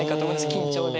緊張で。